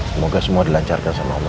semoga semua dilancarkan sama om ayah